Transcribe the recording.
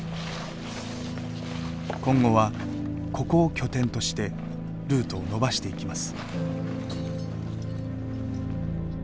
今後はここを拠点としてルートを延ばしていきます。